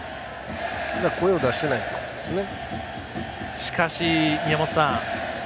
声を出してないってことですね。